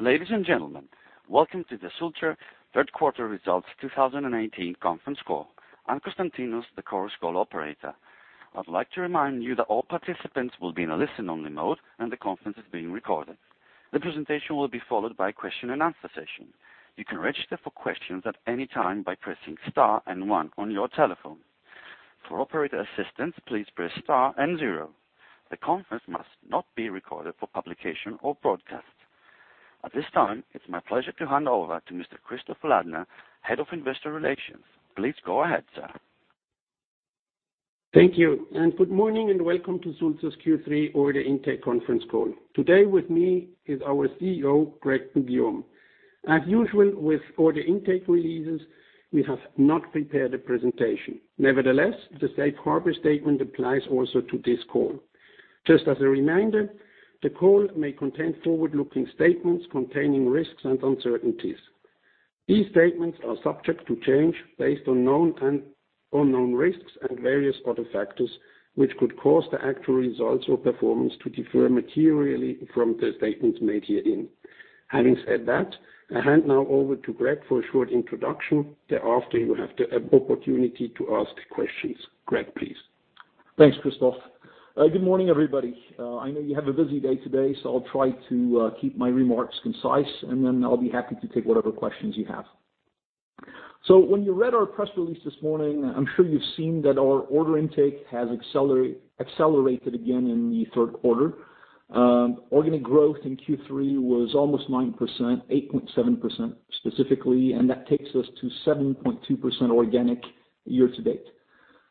Ladies and gentlemen, welcome to the Sulzer third quarter results 2018 conference call. I am Constantinos, the conference call operator. I would like to remind you that all participants will be in a listen-only mode, and the conference is being recorded. The presentation will be followed by a question and answer session. You can register for questions at any time by pressing star and one on your telephone. For operator assistance, please press star and zero. The conference must not be recorded for publication or broadcast. At this time, it is my pleasure to hand over to Mr. Christoph Ladner, Head of Investor Relations. Please go ahead, sir. Thank you. Good morning, and welcome to Sulzer's Q3 order intake conference call. Today with me is our CEO, Greg Poux-Guillaume. As usual, with order intake releases, we have not prepared a presentation. Nevertheless, the safe harbor statement applies also to this call. Just as a reminder, the call may contain forward-looking statements containing risks and uncertainties. These statements are subject to change based on known and unknown risks and various other factors, which could cause the actual results or performance to differ materially from the statements made herein. Having said that, I hand now over to Greg for a short introduction. Thereafter, you have the opportunity to ask questions. Greg, please. Thanks, Christoph. Good morning, everybody. I know you have a busy day today, I will try to keep my remarks concise, and then I will be happy to take whatever questions you have. When you read our press release this morning, I am sure you have seen that our order intake has accelerated again in the third quarter. Organic growth in Q3 was almost 9%, 8.7% specifically, and that takes us to 7.2% organic year-to-date.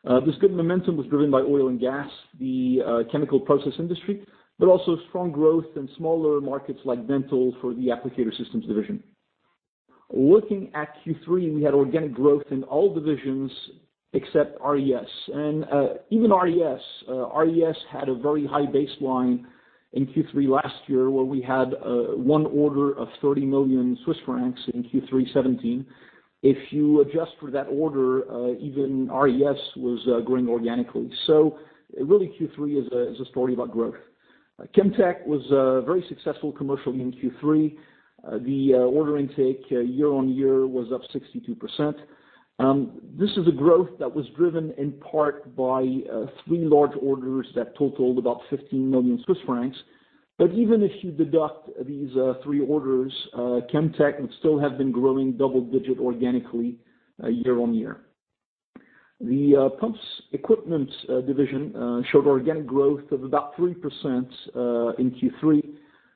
This good momentum was driven by oil and gas, the chemical process industry, but also strong growth in smaller markets like dental for the Applicator Systems division. Looking at Q3, we had organic growth in all divisions except RES. Even RES had a very high baseline in Q3 last year, where we had one order of 30 million Swiss francs in Q3 2017. If you adjust for that order, even RES was growing organically. Really Q3 is a story about growth. Chemtech was very successful commercially in Q3. The order intake year-on-year was up 62%. This is a growth that was driven in part by 3 large orders that totaled about 50 million Swiss francs. Even if you deduct these 3 orders, Chemtech would still have been growing double digit organically year-on-year. The Pumps Equipment division showed organic growth of about 3% in Q3,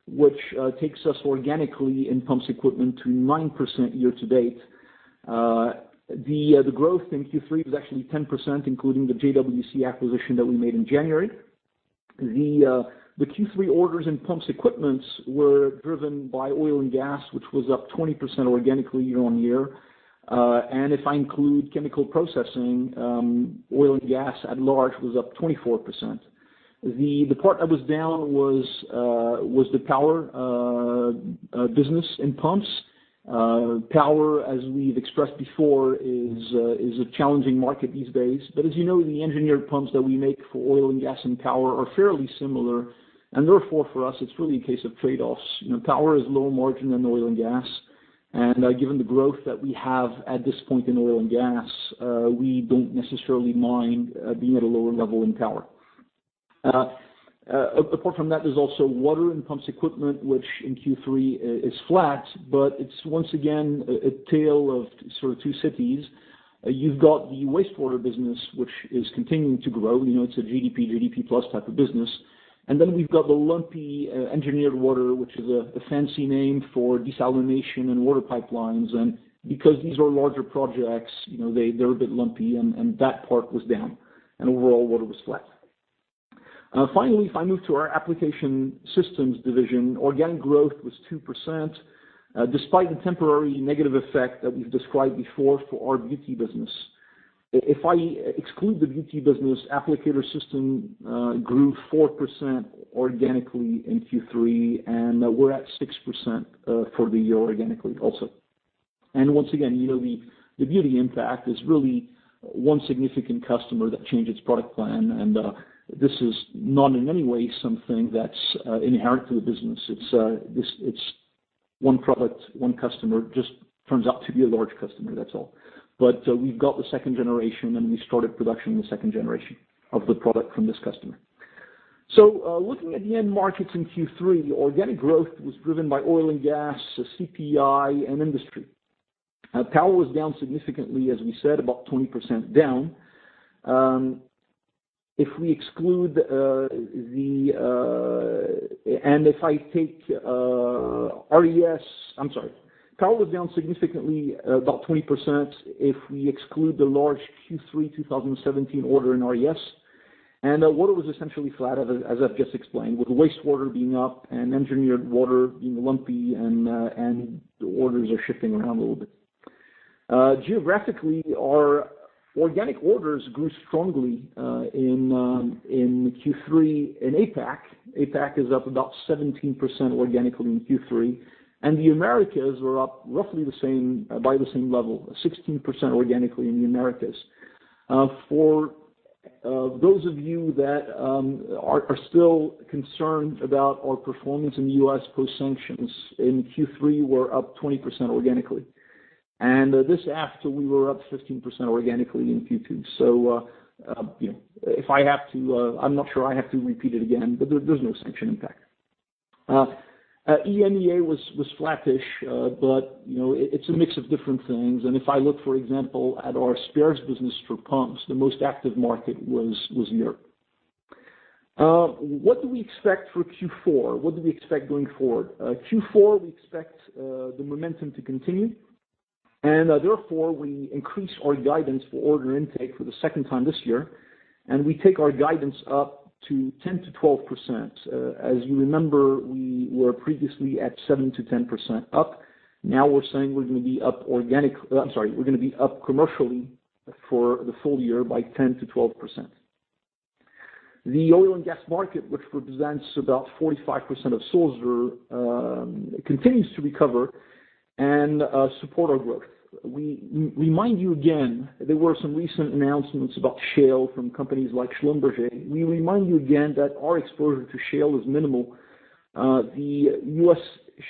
which takes us organically in Pumps Equipment to 9% year-to-date. The growth in Q3 was actually 10%, including the JWC acquisition that we made in January. The Q3 orders in Pumps Equipment were driven by oil and gas, which was up 20% organically year-on-year. If I include chemical processing, oil and gas at large was up 24%. The part that was down was the power business in pumps. Power, as we've expressed before, is a challenging market these days. As you know, the engineered pumps that we make for oil and gas and power are fairly similar, and therefore for us, it's really a case of trade-offs. Power is lower margin than oil and gas, and given the growth that we have at this point in oil and gas, we don't necessarily mind being at a lower level in power. Apart from that, there's also water and Pumps Equipment, which in Q3 is flat, but it's once again a tale of sort of two cities. You've got the wastewater business, which is continuing to grow. It's a GDP+ type of business. Then we've got the lumpy engineered water, which is a fancy name for desalination and water pipelines. Because these are larger projects, they're a bit lumpy and that part was down, and overall water was flat. Finally, if I move to our Applicator Systems division, organic growth was 2%, despite the temporary negative effect that we've described before for our Beauty segment. If I exclude the Beauty segment, Applicator Systems grew 4% organically in Q3, and we're at 6% for the year organically also. Once again, the Beauty segment impact is really one significant customer that changed its product plan, and this is not in any way something that's inherent to the business. It's one product, one customer, just turns out to be a large customer, that's all. We've got the second generation, and we started production on the second generation of the product from this customer. Looking at the end markets in Q3, organic growth was driven by oil and gas, CPI, and industry. Power was down significantly, as we said, about 20% down. Power was down significantly, about 20%, if we exclude the large Q3 2017 order in RES. Water was essentially flat, as I've just explained, with wastewater being up and engineered water being lumpy and the orders are shifting around a little bit. Geographically, our organic orders grew strongly in Q3 in APAC. APAC is up about 17% organically in Q3, and the Americas were up roughly by the same level, 16% organically in the Americas. For those of you that are still concerned about our performance in the U.S. post sanctions, in Q3 we're up 20% organically. This after we were up 15% organically in Q2. I'm not sure I have to repeat it again, but there's no sanction impact. EMEA was flattish, but it's a mix of different things. If I look, for example, at our spares business for pumps, the most active market was Europe. What do we expect for Q4? What do we expect going forward? Q4, we expect the momentum to continue, and therefore we increase our guidance for order intake for the second time this year, and we take our guidance up to 10%-12%. As you remember, we were previously at 7%-10% up. Now we're saying we're going to be up commercially for the full year by 10%-12%. The oil and gas market, which represents about 45% of Sulzer, continues to recover and support our growth. We remind you again, there were some recent announcements about shale from companies like Schlumberger. We remind you again that our exposure to shale is minimal. The U.S.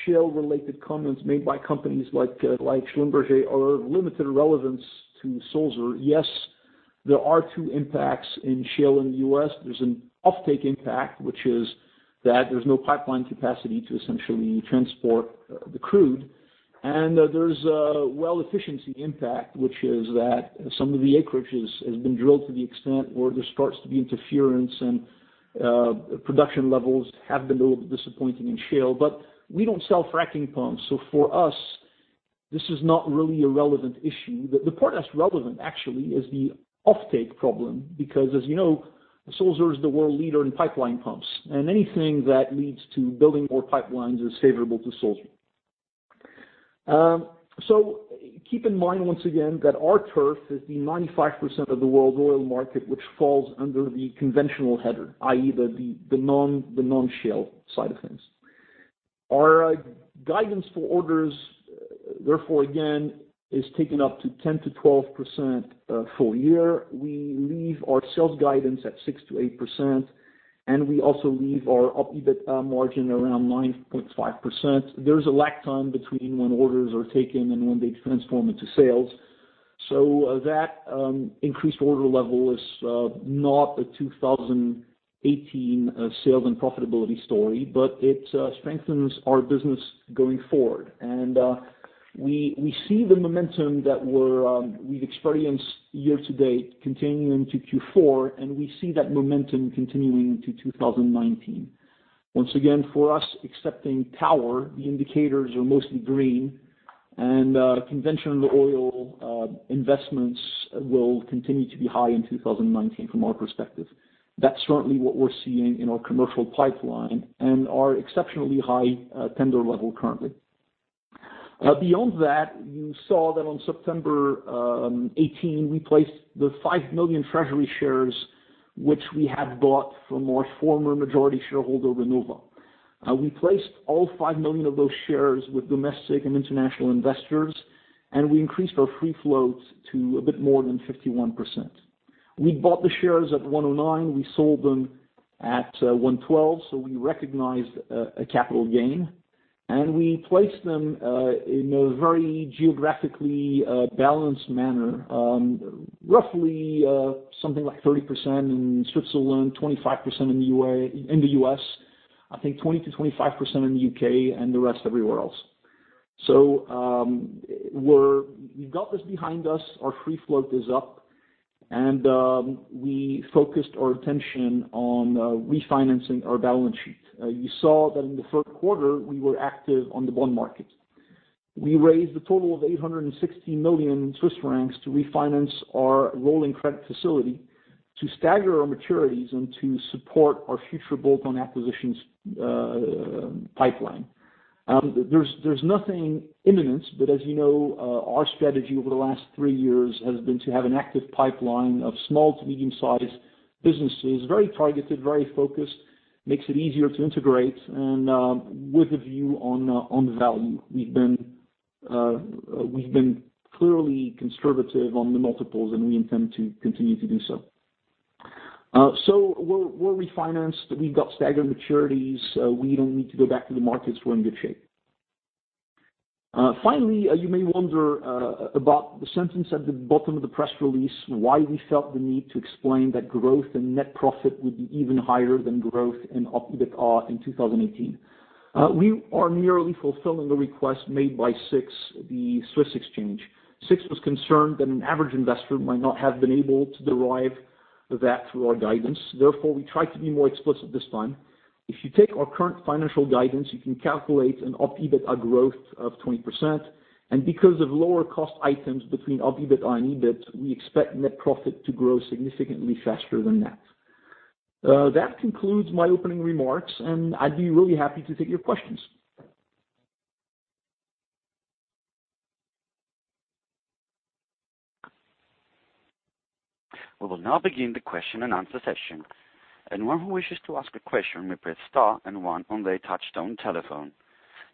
shale-related comments made by companies like Schlumberger are of limited relevance to Sulzer. Yes, there are two impacts in shale in the U.S. There's an offtake impact, which is that there's no pipeline capacity to essentially transport the crude. There's a well efficiency impact, which is that some of the acreage has been drilled to the extent where there starts to be interference, and production levels have been a little bit disappointing in shale. We don't sell fracking pumps. For us, this is not really a relevant issue. The part that's relevant actually is the offtake problem, because as you know, Sulzer is the world leader in pipeline pumps, and anything that leads to building more pipelines is favorable to Sulzer. Keep in mind once again that our turf is the 95% of the world's oil market, which falls under the conventional header, i.e., the non-shale side of things. Our guidance for orders, therefore, again, is taken up to 10%-12% full year. We leave our sales guidance at 6%-8%, and we also leave our EBIT margin around 9.5%. There's a lag time between when orders are taken and when they transform into sales. That increased order level is not a 2018 sales and profitability story, but it strengthens our business going forward. We see the momentum that we've experienced year to date continuing into Q4, and we see that momentum continuing into 2019. Once again, for us, excepting power, the indicators are mostly green, and conventional oil investments will continue to be high in 2019 from our perspective. That's certainly what we're seeing in our commercial pipeline and our exceptionally high tender level currently. Beyond that, you saw that on September 18, we placed the 5 million treasury shares, which we had bought from our former majority shareholder, Renova. We placed all 5 million of those shares with domestic and international investors, and we increased our free float to a bit more than 51%. We bought the shares at 109, we sold them at 112, so we recognized a capital gain, and we placed them in a very geographically balanced manner. Roughly something like 30% in Switzerland, 25% in the U.S., I think 20%-25% in the U.K., and the rest everywhere else. We've got this behind us. Our free float is up, and we focused our attention on refinancing our balance sheet. You saw that in the third quarter, we were active on the bond market. We raised a total of 860 million Swiss francs to refinance our rolling credit facility to stagger our maturities and to support our future bolt-on acquisitions pipeline. There's nothing imminent, but as you know, our strategy over the last three years has been to have an active pipeline of small to medium-sized businesses, very targeted, very focused, makes it easier to integrate and with a view on value. We've been clearly conservative on the multiples, and we intend to continue to do so. We're refinanced. We've got staggered maturities. We don't need to go back to the markets. We're in good shape. You may wonder about the sentence at the bottom of the press release, why we felt the need to explain that growth and net profit would be even higher than growth and EBITA in 2018. We are merely fulfilling the request made by SIX Swiss Exchange. SIX was concerned that an average investor might not have been able to derive that through our guidance. Therefore, we tried to be more explicit this time. If you take our current financial guidance, you can calculate an EBITA growth of 20%. Because of lower cost items between EBITA and EBIT, we expect net profit to grow significantly faster than that. That concludes my opening remarks, and I'd be really happy to take your questions. We will now begin the question and answer session. Anyone who wishes to ask a question may press star and one on their touchtone telephone.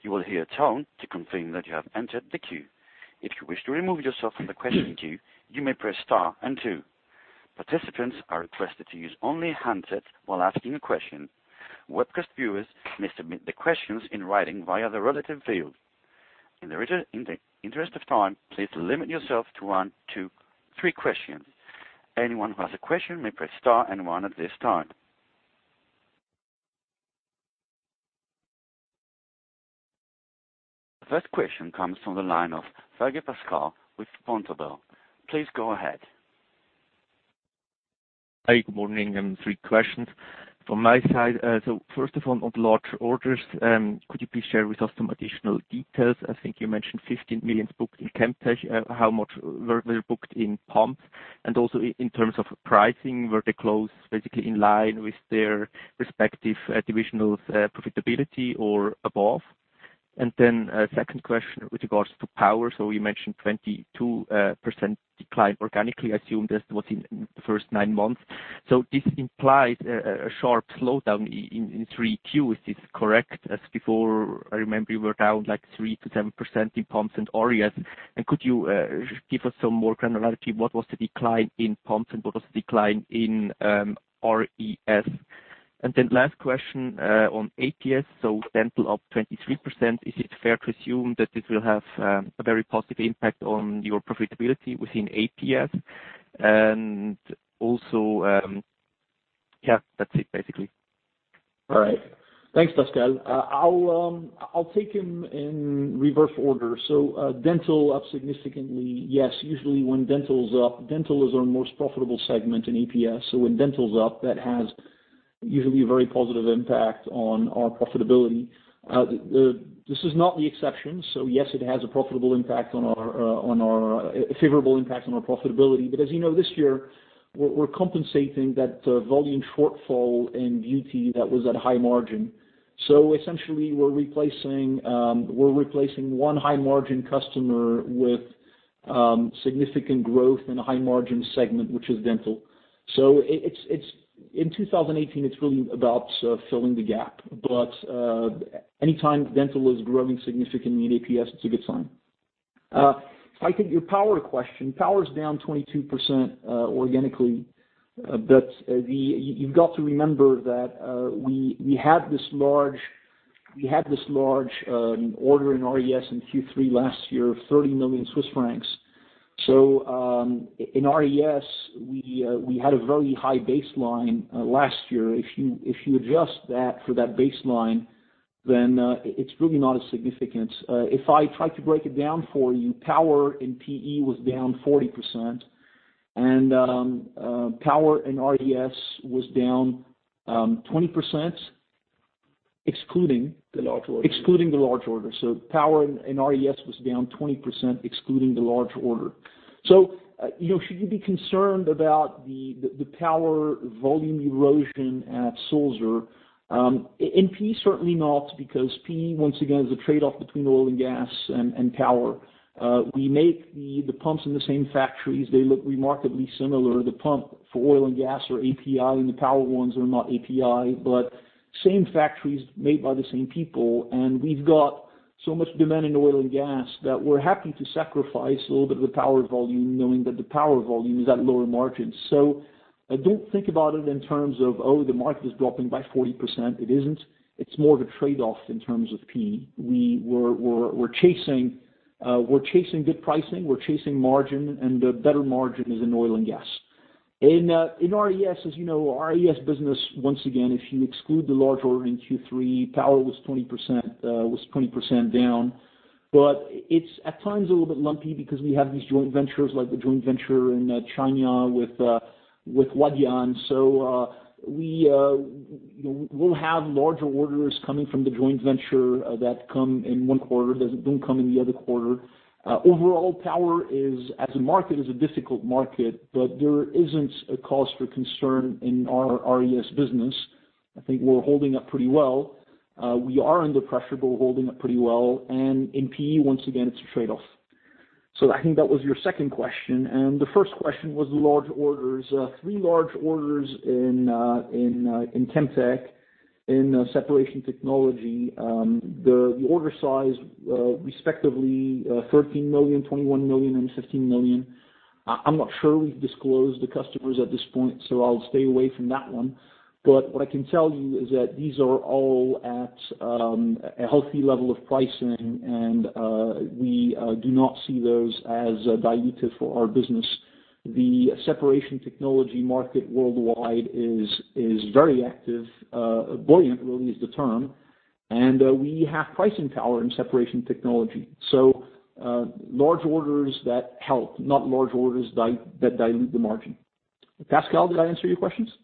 You will hear a tone to confirm that you have entered the queue. If you wish to remove yourself from the question queue, you may press star and two. Participants are requested to use only a handset while asking a question. Webcast viewers may submit their questions in writing via the relative field. In the interest of time, please limit yourself to one to three questions. Anyone who has a question may press star and one at this time. The first question comes from the line of Pascal Dudle with Vontobel. Please go ahead. Hi. Good morning. I have three questions from my side. First of all, on the larger orders, could you please share with us some additional details? I think you mentioned 15 million booked in Chemtech. How much were booked in pumps? Also in terms of pricing, were they close, basically in line with their respective divisional profitability or above? A second question with regards to power. You mentioned 22% decline organically, I assume that was in the first nine months. This implies a sharp slowdown in three Q. Is this correct? As before, I remember you were down 3%-7% in pumps and RES. Could you give us some more granularity? What was the decline in pumps and what was the decline in RES? Then last question on APS. Dental up 23%. Is it fair to assume that this will have a very positive impact on your profitability within APS? Also, that's it basically. All right. Thanks, Pascal. I'll take them in reverse order. Dental up significantly. Yes, usually when dental is up, dental is our most profitable segment in APS. When dental's up, that has usually a very positive impact on our profitability. This is not the exception. Yes, it has a favorable impact on our profitability. But as you know, this year, we're compensating that volume shortfall in Beauty segment that was at a high margin. Essentially, we're replacing one high-margin customer with significant growth in a high-margin segment, which is dental. In 2018, it's really about filling the gap. Anytime dental is growing significantly in APS, it's a good sign. If I take your power question, power is down 22% organically. You've got to remember that we had this large order in RES in Q3 last year of 30 million Swiss francs. In RES, we had a very high baseline last year. If you adjust that for that baseline, then it's really not as significant. If I try to break it down for you, power in PE was down 40%, and power in RES was down 20%, excluding- The large order excluding the large order. Power in RES was down 20%, excluding the large order. Should you be concerned about the power volume erosion at Sulzer? In PE, certainly not, because PE, once again, is a trade-off between oil and gas and power. We make the pumps in the same factories. They look remarkably similar. The pump for oil and gas are API, and the power ones are not API, but same factories made by the same people, and we've got so much demand in oil and gas that we're happy to sacrifice a little bit of the power volume knowing that the power volume is at lower margins. I don't think about it in terms of, "Oh, the market is dropping by 40%." It isn't. It's more of a trade-off in terms of PE. We're chasing good pricing, we're chasing margin, and the better margin is in oil and gas. In RES, as you know, our RES business, once again, if you exclude the large order in Q3, power was 20% down. It's at times a little bit lumpy because we have these joint ventures like the joint venture in China with Huadian. We'll have larger orders coming from the joint venture that come in one quarter, doesn't then come in the other quarter. Overall, power as a market is a difficult market, but there isn't a cause for concern in our RES business. I think we're holding up pretty well. We are under pressure, but we're holding up pretty well. In PE, once again, it's a trade-off. I think that was your second question. The first question was the large orders. Three large orders in Chemtech, in separation technology. The order size, respectively, 13 million, 21 million, and 15 million. I'm not sure we've disclosed the customers at this point, so I'll stay away from that one. What I can tell you is that these are all at a healthy level of pricing, and we do not see those as dilutive for our business. The separation technology market worldwide is very active. Buoyant, really, is the term. We have pricing power in separation technology. Large orders that help, not large orders that dilute the margin. Pascal, did I answer your questions? Yes,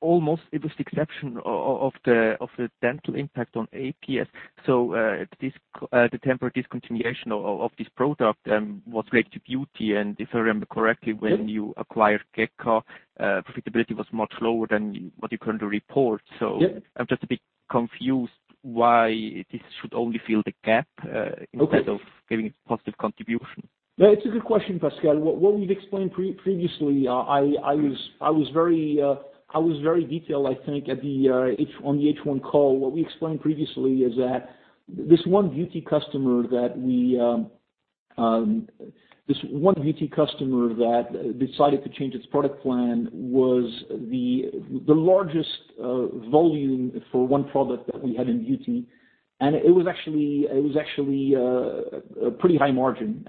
almost. It was the exception of the dental impact on APS. The temporary discontinuation of this product was related to Beauty. If I remember correctly, when you acquired Geka, profitability was much lower than what you currently report. Yeah. I'm just a bit confused why this should only fill the gap instead of giving a positive contribution. No, it's a good question, Pascal. What we've explained previously, I was very detailed, I think, on the H1 call. What we explained previously is that this one Beauty customer that decided to change its product plan was the largest volume for one product that we had in Beauty, and it was actually pretty high margin.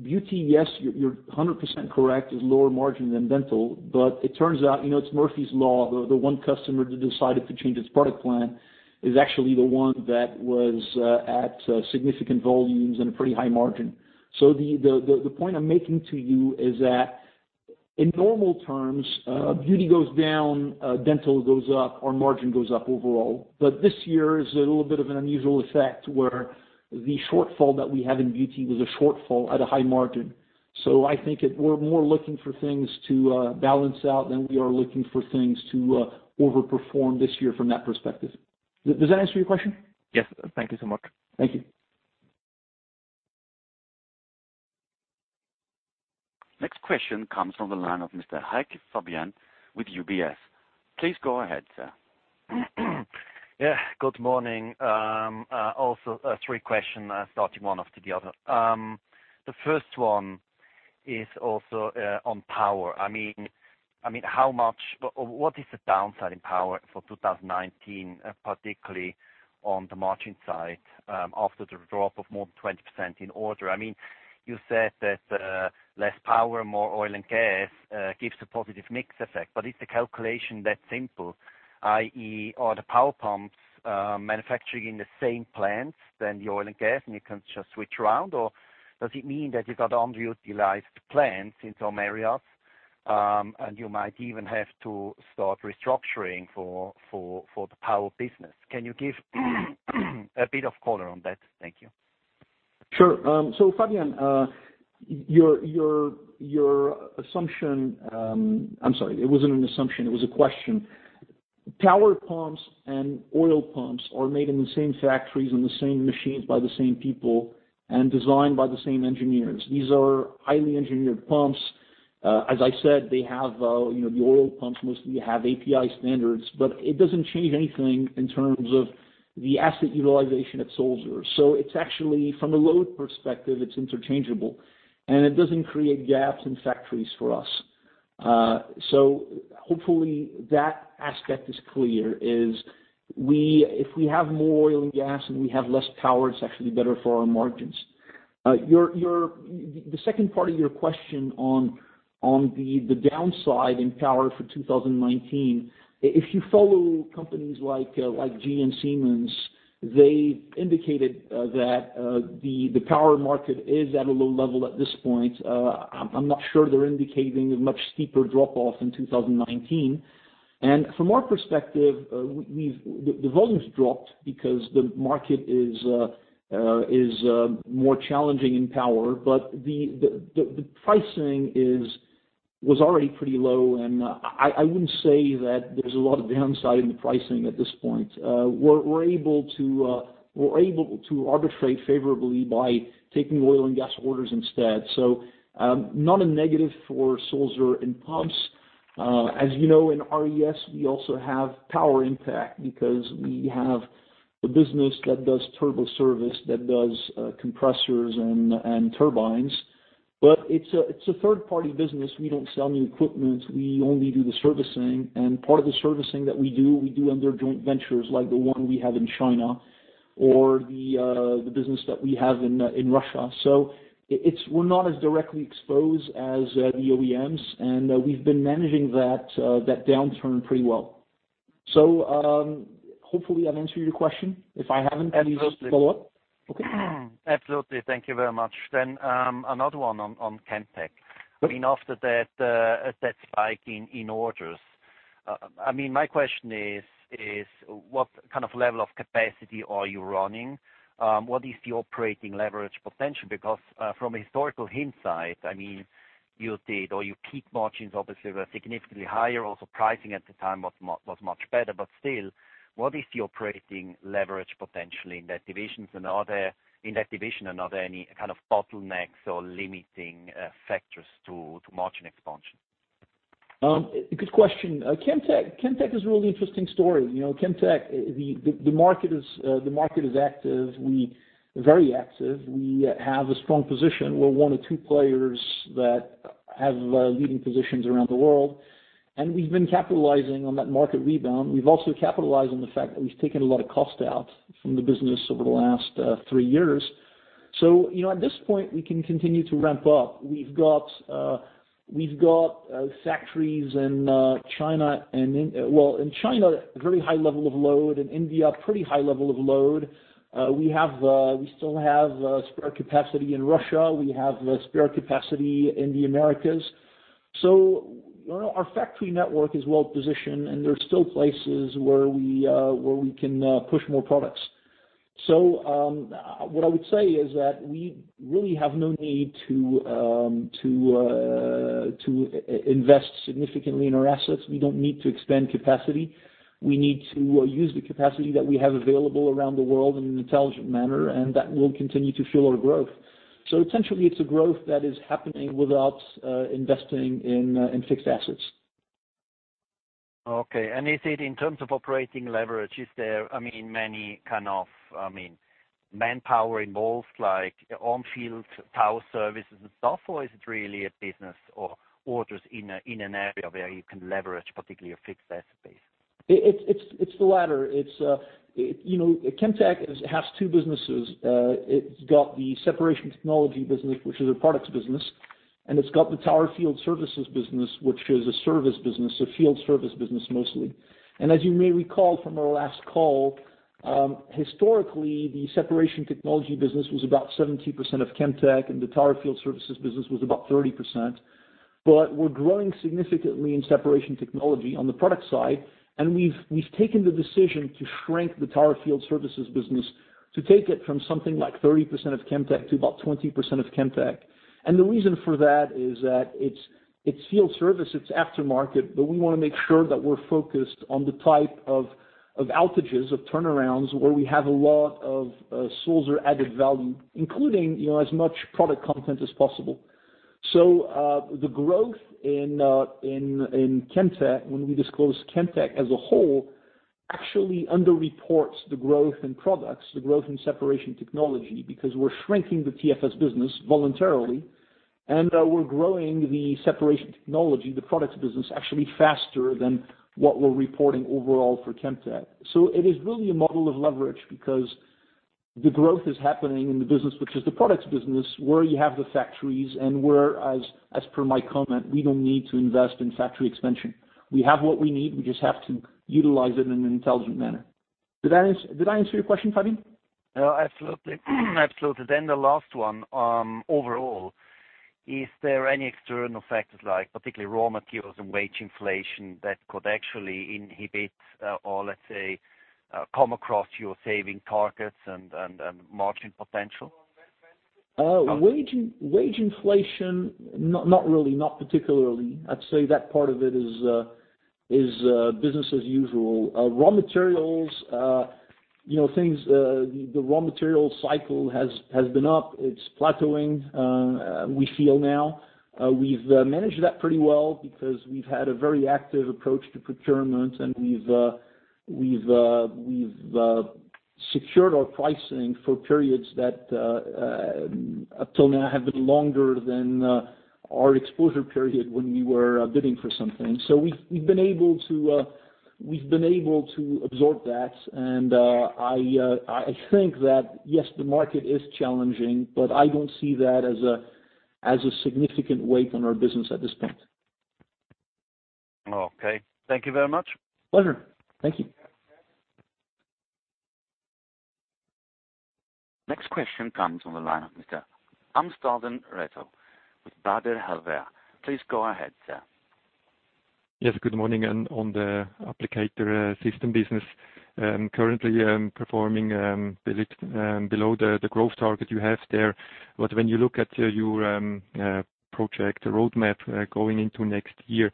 Beauty, yes, you're 100% correct, is lower margin than Dental, but it turns out, it's Murphy's Law, the one customer that decided to change its product plan is actually the one that was at significant volumes and a pretty high margin. The point I'm making to you is that in normal terms, Beauty goes down, Dental goes up, our margin goes up overall. This year is a little bit of an unusual effect where the shortfall that we had in Beauty was a shortfall at a high margin. I think we're more looking for things to balance out than we are looking for things to over-perform this year from that perspective. Does that answer your question? Yes. Thank you so much. Thank you. Next question comes from the line of Mr. Heike Fabian with UBS. Please go ahead, sir. Yeah. Good morning. Also three questions, starting one after the other. The first one is also on Power. What is the downside in Power for 2019, particularly on the margin side after the drop of more than 20% in order? You said that less Power, more Oil and Gas gives a positive mix effect, but is the calculation that simple, i.e., are the power pumps manufacturing in the same plants than the oil and gas and you can just switch around? Or does it mean that you got underutilized plants in some areas, and you might even have to start restructuring for the Power business? Can you give a bit of color on that? Thank you. Sure. Fabian, I'm sorry, it wasn't an assumption, it was a question. Power pumps and oil pumps are made in the same factories on the same machines by the same people and designed by the same engineers. These are highly engineered pumps. As I said, the oil pumps mostly have API standards, but it doesn't change anything in terms of the asset utilization at Sulzer. It's actually from a load perspective, it's interchangeable, and it doesn't create gaps in factories for us. Hopefully that aspect is clear, is if we have more oil and gas and we have less power, it's actually better for our margins. The second part of your question on the downside in Power for 2019. If you follow companies like GE and Siemens, they indicated that the power market is at a low level at this point. I'm not sure they're indicating a much steeper drop-off in 2019. From our perspective, the volumes dropped because the market is more challenging in Power, but the pricing was already pretty low, and I wouldn't say that there's a lot of downside in the pricing at this point. We're able to arbitrate favorably by taking oil and gas orders instead. Not a negative for Sulzer in pumps. As you know, in RES, we also have power impact because we have a business that does Turbo Services, that does compressors and turbines. It's a third-party business. We don't sell new equipment. We only do the servicing, and part of the servicing that we do, we do under joint ventures like the one we have in China or the business that we have in Russia. We're not as directly exposed as the OEMs, and we've been managing that downturn pretty well. Hopefully, I've answered your question. If I haven't. Absolutely please follow up. Okay. Absolutely. Thank you very much. Another one on Chemtech. After that spike in orders, my question is what kind of level of capacity are you running? What is the operating leverage potential? From a historical hindsight, your peak margins obviously were significantly higher. Also, pricing at the time was much better, but still, what is the operating leverage potential in that division? Are there any kind of bottlenecks or limiting factors to margin expansion? Good question. Chemtech is a really interesting story. Chemtech, the market is active, very active. We have a strong position. We're one of two players that have leading positions around the world, and we've been capitalizing on that market rebound. We've also capitalized on the fact that we've taken a lot of cost out from the business over the last three years. At this point, we can continue to ramp up. We've got factories in China, very high level of load, in India, pretty high level of load. We still have spare capacity in Russia. We have spare capacity in the Americas. Our factory network is well-positioned, and there are still places where we can push more products. What I would say is that we really have no need to invest significantly in our assets. We don't need to expand capacity. We need to use the capacity that we have available around the world in an intelligent manner, and that will continue to fuel our growth. Essentially, it's a growth that is happening without investing in fixed assets. Okay. Is it in terms of operating leverage? Is there many kind of manpower involved, like on Tower Field Services and stuff, or is it really a business or orders in an area where you can leverage particularly a fixed asset base? It's the latter. Chemtech has two businesses. It's got the Separation Technology business, which is a products business, and it's got the Tower Field Services business, which is a service business, a field service business mostly. As you may recall from our last call, historically, the Separation Technology business was about 70% of Chemtech, and the Tower Field Services business was about 30%. We're growing significantly in Separation Technology on the product side, and we've taken the decision to shrink the Tower Field Services business to take it from something like 30% of Chemtech to about 20% of Chemtech. The reason for that is that it's field service, it's aftermarket, but we want to make sure that we're focused on the type of outages, of turnarounds, where we have a lot of Sulzer added value, including as much product content as possible. The growth in Chemtech, when we disclose Chemtech as a whole, actually underreports the growth in products, the growth in Separation Technology, because we're shrinking the TFS business voluntarily, and we're growing the Separation Technology, the products business, actually faster than what we're reporting overall for Chemtech. It is really a model of leverage because the growth is happening in the business, which is the products business, where you have the factories and where, as per my comment, we don't need to invest in factory expansion. We have what we need. We just have to utilize it in an intelligent manner. Did I answer your question, Fabian? Absolutely. The last one. Overall, is there any external factors like particularly raw materials and wage inflation that could actually inhibit or let's say, come across your saving targets and margin potential? Wage inflation, not really. Not particularly. I'd say that part of it is business as usual. Raw materials. The raw material cycle has been up. It's plateauing, we feel now. We've managed that pretty well because we've had a very active approach to procurement and we've secured our pricing for periods that up till now have been longer than our exposure period when we were bidding for something. We've been able to absorb that, and I think that, yes, the market is challenging, but I don't see that as a significant weight on our business at this point. Okay. Thank you very much. Pleasure. Thank you. Next question comes on the line of Mr. Reto Amstalden with Baader Helvea. Please go ahead, sir. Yes, good morning. On the Applicator Systems business, currently performing below the growth target you have there. When you look at your project road map going into next year,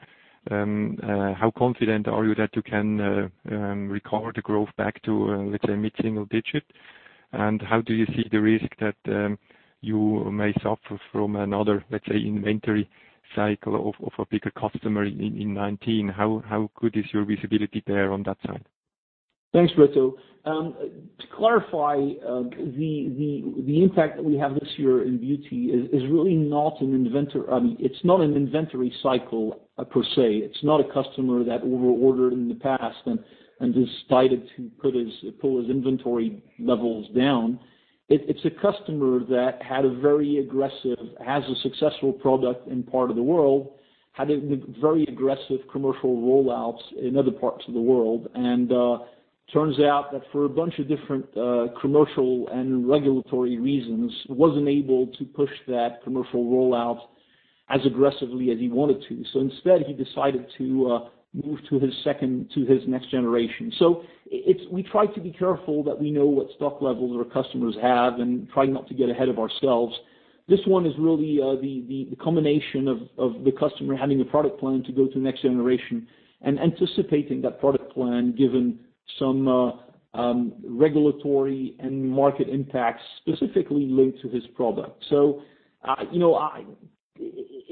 how confident are you that you can recover the growth back to, let's say, mid-single-digit? How do you see the risk that you may suffer from another, let's say, inventory cycle of a bigger customer in 2019? How good is your visibility there on that side? Thanks, Reto. To clarify, the impact that we have this year in Beauty it's not an inventory cycle per se. It's not a customer that over-ordered in the past and decided to pull his inventory levels down. It's a customer that has a successful product in part of the world, had very aggressive commercial rollouts in other parts of the world. Turns out that for a bunch of different commercial and regulatory reasons, wasn't able to push that commercial rollout as aggressively as he wanted to. Instead, he decided to move to his next generation. We try to be careful that we know what stock levels our customers have and try not to get ahead of ourselves. This one is really the combination of the customer having a product plan to go to the next generation and anticipating that product plan given some regulatory and market impacts specifically linked to his product.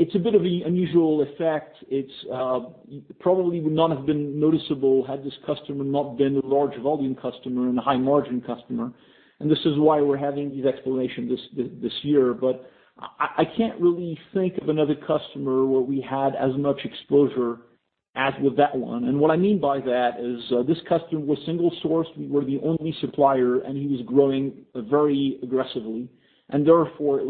It's a bit of an unusual effect. It probably would not have been noticeable had this customer not been a large volume customer and a high-margin customer. This is why we're having these explanations this year. I can't really think of another customer where we had as much exposure as with that one. What I mean by that is this customer was single sourced. We were the only supplier, and he was growing very aggressively. Therefore,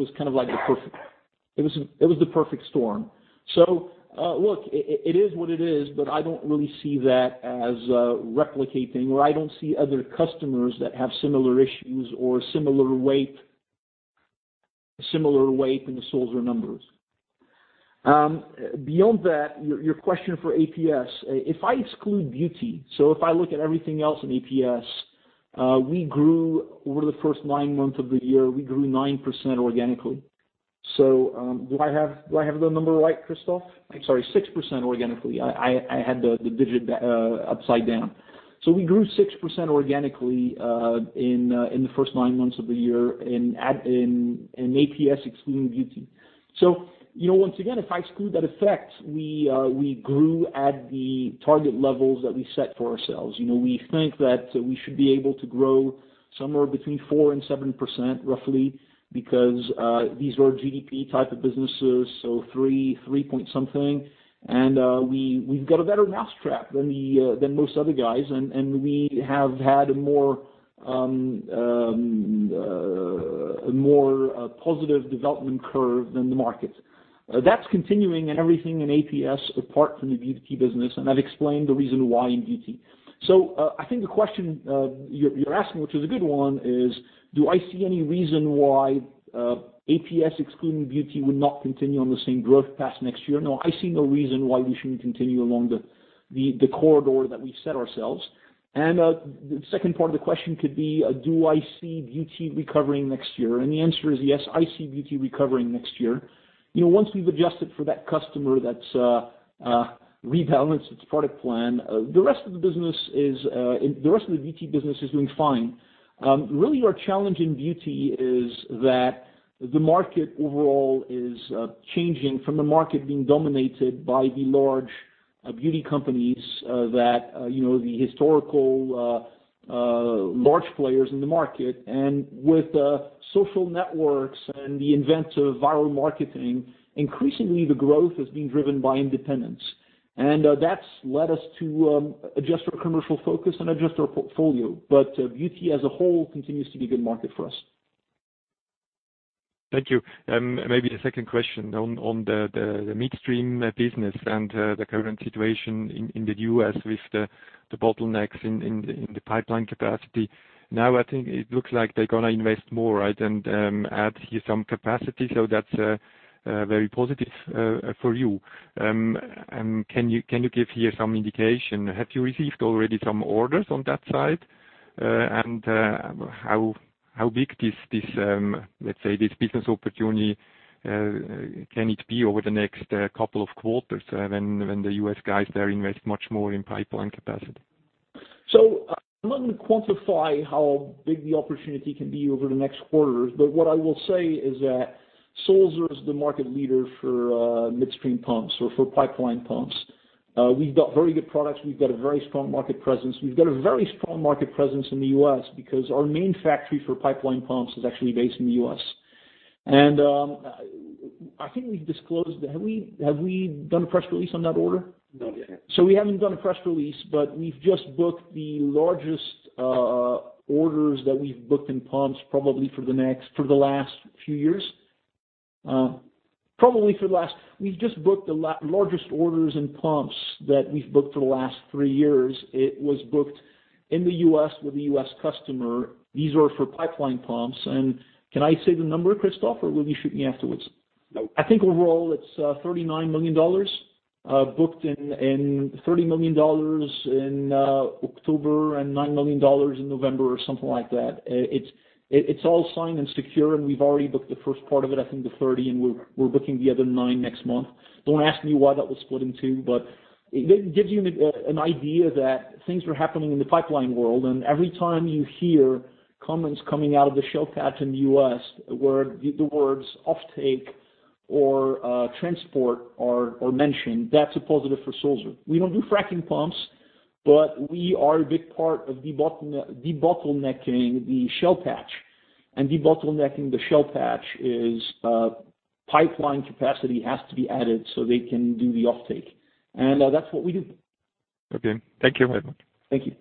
it was the perfect storm. Look, it is what it is, but I don't really see that as replicating, or I don't see other customers that have similar issues or similar weight in the Sulzer numbers. Beyond that, your question for APS. If I exclude Beauty, if I look at everything else in APS, we grew over the first nine months of the year, we grew 9% organically. Do I have the number right, Christoph? I'm sorry, 6% organically. I had the digit upside down. We grew 6% organically in the first nine months of the year in APS, excluding Beauty. Once again, if I exclude that effect, we grew at the target levels that we set for ourselves. We think that we should be able to grow somewhere between 4% and 7% roughly because these are GDP type of businesses, three point something. We've got a better mouse trap than most other guys, and we have had a more positive development curve than the market. That's continuing in everything in APS apart from the Beauty business, and I've explained the reason why in Beauty. I think the question you're asking, which is a good one, is do I see any reason why APS excluding Beauty would not continue on the same growth path next year? No, I see no reason why we shouldn't continue along the corridor that we've set ourselves. The second part of the question could be, do I see Beauty recovering next year? The answer is yes, I see Beauty recovering next year. Once we've adjusted for that customer that's rebalanced its product plan, the rest of the Beauty business is doing fine. Really, our challenge in Beauty is that the market overall is changing from the market being dominated by the large beauty companies, the historical large players in the market. With social networks and the advent of viral marketing, increasingly the growth is being driven by independents. That's led us to adjust our commercial focus and adjust our portfolio. Beauty as a whole continues to be a good market for us. Thank you. Maybe the second question on the midstream business and the current situation in the U.S. with the bottlenecks in the pipeline capacity. I think it looks like they're going to invest more and add here some capacity. That's very positive for you. Can you give here some indication, have you received already some orders on that side? How big this, let's say, this business opportunity can it be over the next couple of quarters when the U.S. guys there invest much more in pipeline capacity? I'm not going to quantify how big the opportunity can be over the next quarters, but what I will say is that Sulzer is the market leader for midstream pumps or for pipeline pumps. We've got very good products. We've got a very strong market presence. We've got a very strong market presence in the U.S. because our main factory for pipeline pumps is actually based in the U.S. I think we've disclosed, have we done a press release on that order? Not yet. We haven't done a press release, but we've just booked the largest orders that we've booked in pumps probably for the last few years. We've just booked the largest orders in pumps that we've booked for the last three years. It was booked in the U.S. with a U.S. customer. These were for pipeline pumps. Can I say the number, Christoph, or will you shoot me afterwards? No. I think overall it's $39 million booked, $30 million in October and $9 million in November, or something like that. It's all signed and secure, we've already booked the first part of it, I think the 30, and we're booking the other nine next month. Don't ask me why that was split in two, it gives you an idea that things are happening in the pipeline world. Every time you hear comments coming out of the shale patch in the U.S., the words offtake or transport are mentioned, that's a positive for Sulzer. We don't do fracking pumps, we are a big part of debottlenecking the shale patch. Debottlenecking the shale patch is pipeline capacity has to be added so they can do the offtake. That's what we do. Okay. Thank you very much. Thank you.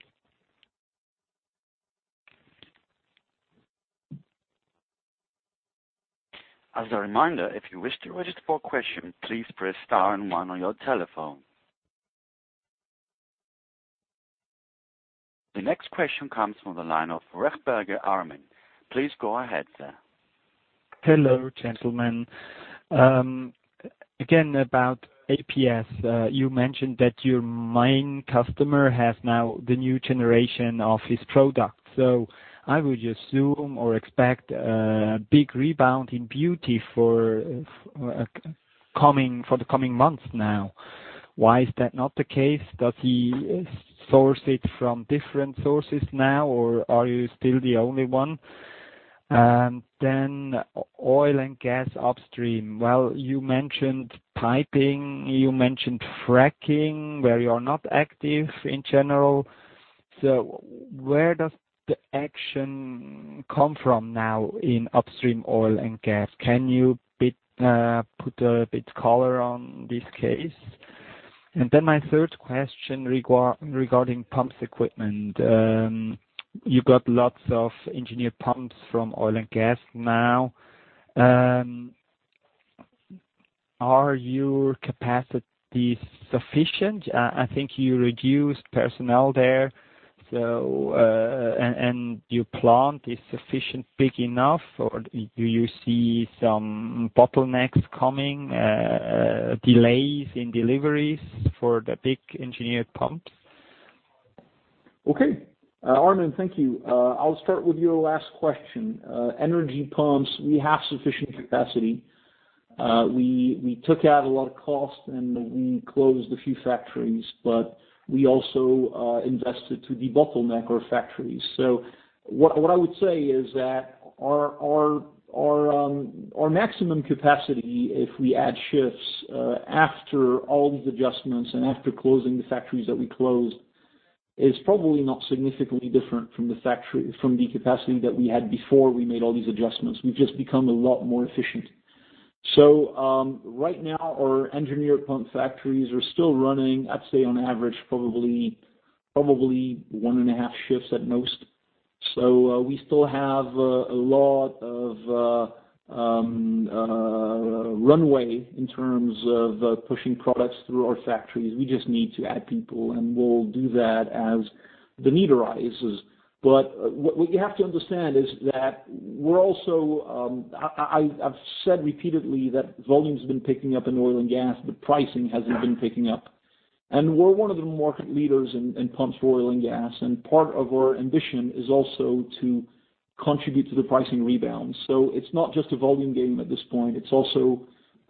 As a reminder, if you wish to register for a question, please press star and one on your telephone. The next question comes from the line of Armin Rechtberger. Please go ahead, sir. Hello, gentlemen. Again, about APS, you mentioned that your main customer has now the new generation of his product. I would assume or expect a big rebound in Beauty for the coming months now. Why is that not the case? Does he source it from different sources now, or are you still the only one? Oil and gas upstream. Well, you mentioned piping. You mentioned fracking, where you are not active in general. Where does the action come from now in upstream oil and gas? Can you put a bit color on this case? My third question regarding Pumps Equipment. You got lots of engineered pumps from oil and gas now. Are your capacities sufficient? I think you reduced personnel there, and your plant is sufficient, big enough, or do you see some bottlenecks coming, delays in deliveries for the big engineered pumps? Okay. Armin, thank you. I'll start with your last question. Energy pumps, we have sufficient capacity. We took out a lot of cost and we closed a few factories, but we also invested to debottleneck our factories. What I would say is that our maximum capacity, if we add shifts after all these adjustments and after closing the factories that we closed, is probably not significantly different from the capacity that we had before we made all these adjustments. We've just become a lot more efficient. Right now, our engineered pump factories are still running, I'd say on average, probably one and a half shifts at most. We still have a lot of runway in terms of pushing products through our factories. We just need to add people, and we'll do that as the need arises. What you have to understand is that I've said repeatedly that volume's been picking up in oil and gas, but pricing hasn't been picking up. We're one of the market leaders in pumps for oil and gas, and part of our ambition is also to contribute to the pricing rebound. It's not just a volume game at this point, there's also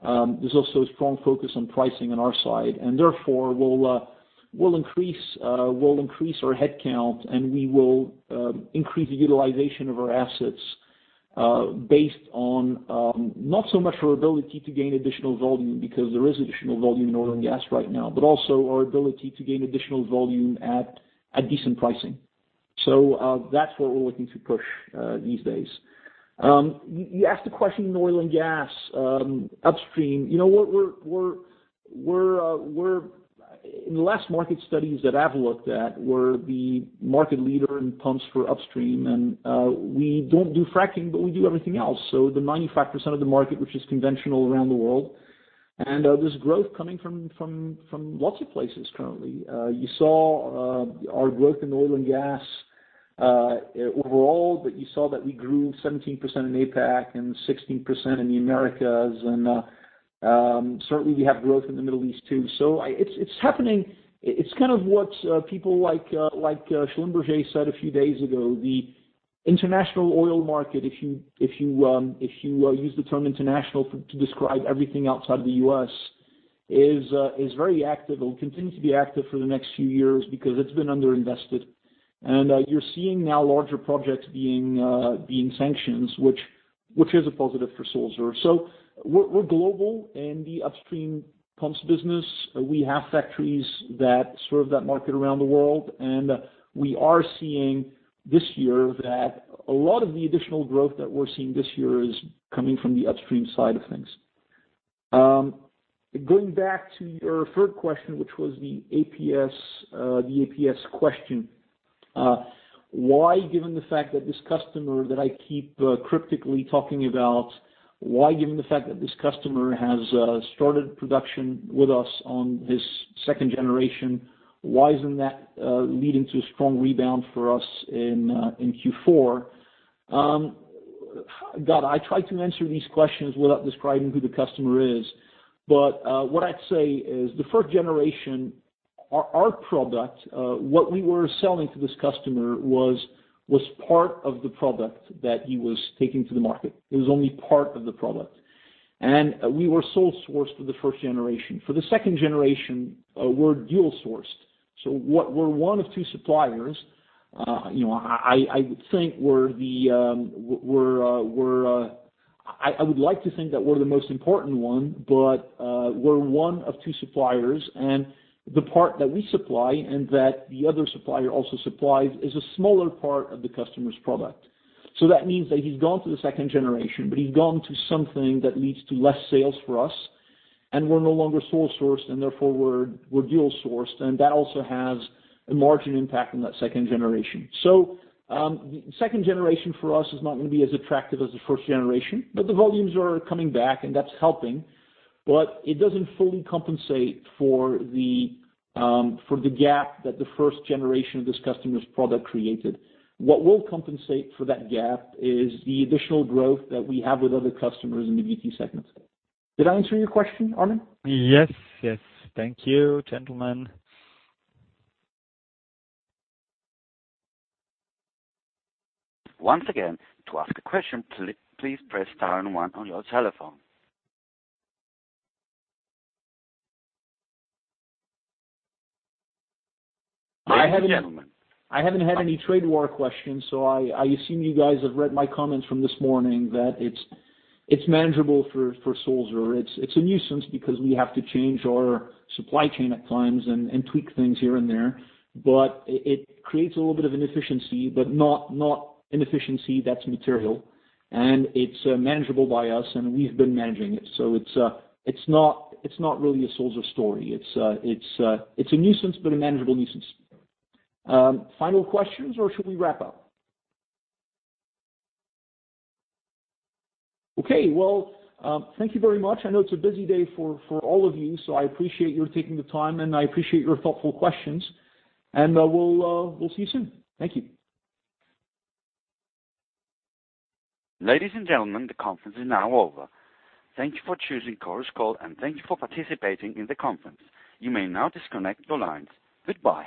a strong focus on pricing on our side. Therefore, we'll increase our headcount and we will increase the utilization of our assets based on not so much our ability to gain additional volume, because there is additional volume in oil and gas right now, but also our ability to gain additional volume at a decent pricing. That's what we're looking to push these days. You asked a question in oil and gas upstream. In the last market studies that I've looked at, we're the market leader in pumps for upstream. We don't do fracking, but we do everything else. The 95% of the market, which is conventional around the world. There's growth coming from lots of places currently. You saw our growth in oil and gas overall, but you saw that we grew 17% in APAC and 16% in the Americas, and certainly we have growth in the Middle East too. It's happening. It's kind of what people like Schlumberger said a few days ago. The international oil market, if you use the term international to describe everything outside of the U.S., is very active and will continue to be active for the next few years because it's been under-invested. You're seeing now larger projects being sanctioned, which is a positive for Sulzer. We're global in the upstream pumps business. We have factories that serve that market around the world. We are seeing this year that a lot of the additional growth that we're seeing this year is coming from the upstream side of things. Going back to your third question, which was the APS question. Why, given the fact that this customer that I keep cryptically talking about, why given the fact that this customer has started production with us on his second generation, why isn't that leading to a strong rebound for us in Q4? God, I try to answer these questions without describing who the customer is. What I'd say is the first generation, our product, what we were selling to this customer was part of the product that he was taking to the market. It was only part of the product. We were sole sourced for the first generation. For the second generation, we're dual sourced. We're one of two suppliers. I would like to think that we're the most important one, but we're one of two suppliers. The part that we supply and that the other supplier also supplies is a smaller part of the customer's product. That means that he's gone to the second generation, but he's gone to something that leads to less sales for us. We're no longer sole sourced, and therefore we're dual sourced, and that also has a margin impact on that second generation. Second generation for us is not going to be as attractive as the first generation, but the volumes are coming back and that's helping. It doesn't fully compensate for the gap that the first generation of this customer's product created. What will compensate for that gap is the additional growth that we have with other customers in the VT segment. Did I answer your question, Armin? Yes. Thank you, gentlemen. Once again, to ask a question, please press star and one on your telephone. I haven't had any trade war questions, so I assume you guys have read my comments from this morning that it's manageable for Sulzer. It's a nuisance because we have to change our supply chain at times and tweak things here and there. It creates a little bit of inefficiency, but not inefficiency that's material. It's manageable by us, and we've been managing it. It's not really a Sulzer story. It's a nuisance, but a manageable nuisance. Final questions or should we wrap up. Okay. Well, thank you very much. I know it's a busy day for all of you, so I appreciate your taking the time and I appreciate your thoughtful questions. We'll see you soon. Thank you. Ladies and gentlemen, the conference is now over. Thank you for choosing Chorus Call, thank you for participating in the conference. You may now disconnect your lines. Goodbye.